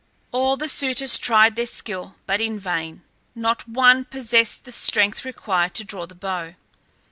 All the suitors tried their skill, but in vain; not one possessed the strength required to draw the bow.